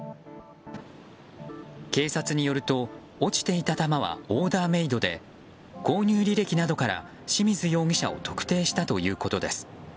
警察によると落ちていた球はオーダーメイドで購入履歴などから清水容疑者を特定したということです。